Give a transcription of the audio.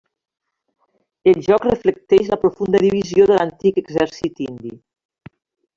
El joc reflecteix la profunda divisió de l'antic exèrcit indi.